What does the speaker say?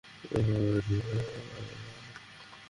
Mary এসব কি হচ্ছে!